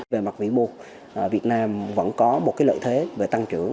về mặt vĩ mục việt nam vẫn có một cái lợi thế về tăng trưởng